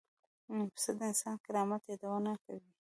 پسه د انساني کرامت یادونه کوي.